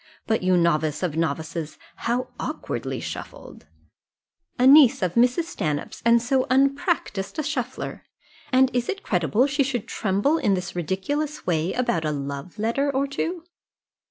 But, you novice of novices, how awkwardly shuffled! A niece of Mrs. Stanhope's, and so unpractised a shuffler! And is it credible she should tremble in this ridiculous way about a love letter or two?"